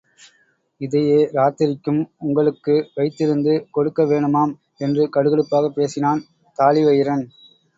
இதையே ராத்திரிக்கும் உங்களுக்கு வைத்திருந்து கொடுக்க வேணுமாம், என்று கடுகடுப்பாகப் பேசினான் தாழிவயிறன்.